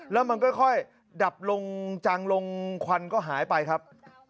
แล้วมันค่อยดับลงจังลงควันก็หายไปครับ